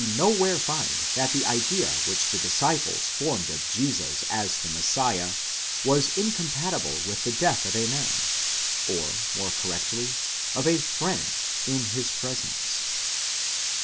nowhere find that the idea which the disciples formed of Jesus as the Messiah was incompatible with the death of a man, or, more correctly, of a friend, in his presence.